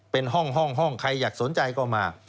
เป็นห้องใครอยากสนใจก็มา